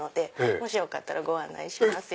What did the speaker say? もしよかったらご案内しますよ。